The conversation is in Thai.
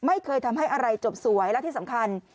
ไม่เคยทำให้อะไรจบสวยและที่สำคัญ